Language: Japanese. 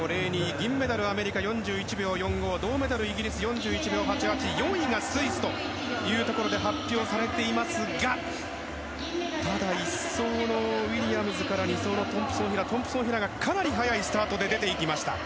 銀メダル、アメリカ４１秒４５銅メダル、イギリスは４１秒８８４位がスイスというところで発表されていますが１走のウィリアムズから２走のトンプソン・ヒラトンプソン・ヒラがかなり早いスタートで出ていきました。